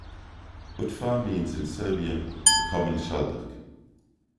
Utva means in Serbian the common shelduck.